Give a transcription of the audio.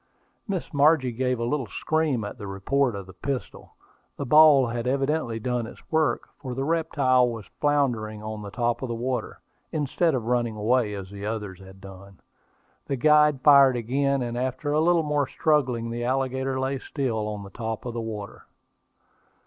Miss Margie gave a little scream at the report of the pistol. The ball had evidently done its work, for the reptile was floundering on the top of the water, instead of running away, as the other one had done. The guide fired again; and after a little more struggling, the alligator lay still on the top of the water.